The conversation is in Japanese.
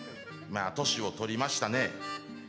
年を取りましたね。